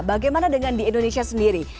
bagaimana dengan di indonesia sendiri